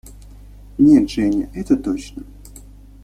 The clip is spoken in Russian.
– Нет, Женя, это точно.